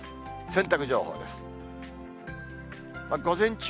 洗濯情報です。